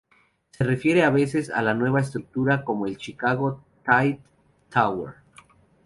Se refiere a veces a la nueva estructura como la "Chicago Title Tower"'.